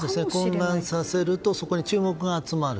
混乱させるとそこに注目が集まる。